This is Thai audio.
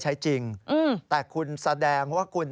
และอาจจะมีบางรายเข้าขายช่อกงประชาชนเพิ่มมาด้วย